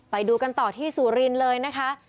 ไปดูกันต่อที่สุรินทร์เลยนะคะ